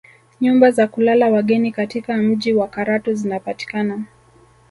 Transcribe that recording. Nyumba za kulala wageni katika mji wa Karatu zinapatikana